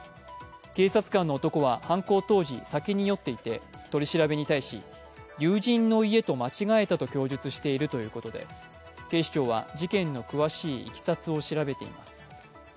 警察官の男は犯行当時、酒に酔っていて取り調べに対し、友人の家と間違えたと供述しているということで警視庁は事件の詳しいいきさつを調べています。